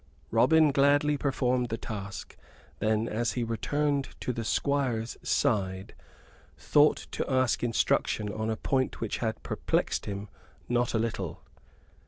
Robin gladly performed the task; then, as he returned to the Squire's side, thought to ask instruction on a point which had perplexed him not a little.